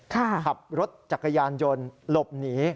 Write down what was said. ขับรถจักรยานยนต์หลบหนี